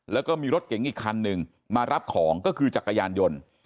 แล้วก็มีรถเก๋งอีกคันหนึ่งมารับของก็คือจักรยานยนต์